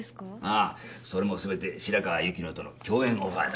ああそれもすべて白川雪乃との共演オファーだ。